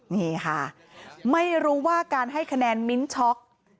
นี่ค่ะไม่รู้ว่าการให้คะแนนมิ้นช็อก